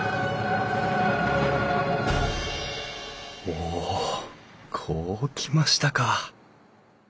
おおこうきましたか。